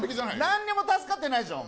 何にも助かってないでしょ